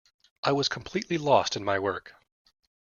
I was completely lost in my work.